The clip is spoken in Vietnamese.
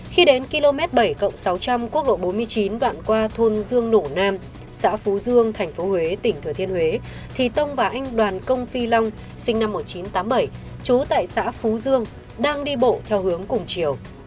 khi đến km bảy sáu trăm linh quốc lộ bốn mươi chín đoạn qua thôn dương nổ nam xã phú dương tp huế tỉnh thừa thiên huế thì tông và anh đoàn công phi long sinh năm một nghìn chín trăm tám mươi bảy trú tại xã phú dương đang đi bộ theo hướng cùng chiều